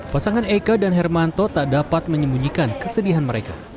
pasangan eka dan hermanto tak dapat menyembunyikan kesedihan mereka